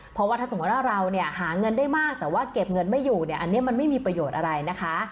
เพราะว่าถ้าสมมุติว่าเราเนี่ยหาเงินได้มากแต่ว่าเก็บเงินไม่อยู่เนี่ยอันนี้มันไม่มีประโยชน์อะไรนะคะ